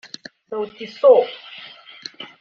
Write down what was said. Sauti Sol